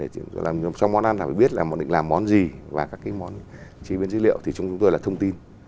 trong món ăn phải biết là mình làm món gì và các món chế biến dữ liệu thì chúng tôi là thông tin